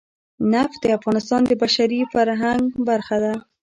نفت د افغانستان د بشري فرهنګ برخه ده.